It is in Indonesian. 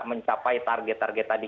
mencapai target target tadi